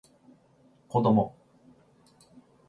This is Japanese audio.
子供